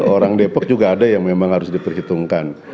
orang depok juga ada yang memang harus diperhitungkan